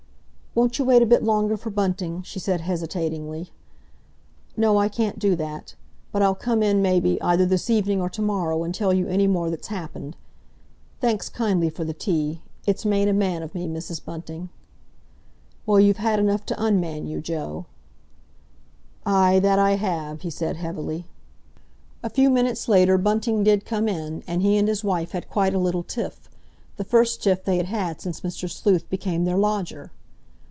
"Won't you wait a bit longer for Bunting?" she said hesitatingly. "No, I can't do that. But I'll come in, maybe, either this evening or to morrow, and tell you any more that's happened. Thanks kindly for the tea. It's made a man of me, Mrs. Bunting." "Well, you've had enough to unman you, Joe." "Aye, that I have," he said heavily. A few minutes later Bunting did come in, and he and his wife had quite a little tiff—the first tiff they had had since Mr. Sleuth became their lodger.